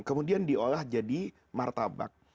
kemudian diolah jadi martabak